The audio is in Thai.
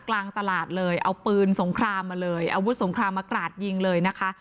กลางตลาดเลยเอาปืนสงครามมาเลยอาวุธสงครามมากราดยิงเลยนะคะ